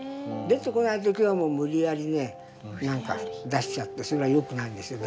出てこない時はもう無理やりね出しちゃってそれはよくないんですよ